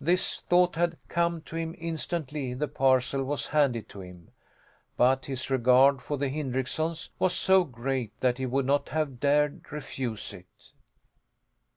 This thought had come to him instantly the parcel was handed to him, but his regard for the Hindricksons was so great that he would not have dared refuse it.